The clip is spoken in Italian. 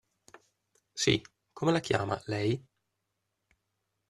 Sì, come la chiama, lei?